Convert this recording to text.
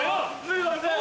すいません！